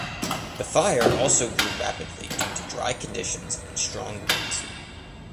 The fire also grew rapidly due to dry conditions and strong winds.